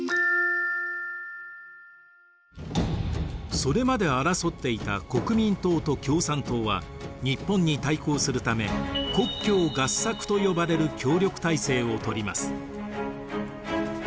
それまで争っていた国民党と共産党は日本に対抗するため国共合作と呼ばれる協力体制をとります。